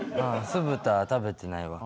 酢豚は食べてないわ。